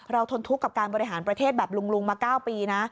ทนทุกข์กับการบริหารประเทศแบบลุงมา๙ปีนะ